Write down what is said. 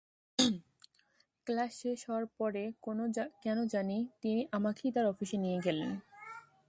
Class শেষ হওয়ার পরে কেন জানি তিনি আমাকেই তাঁর অফিসে নিয়ে গেলেন।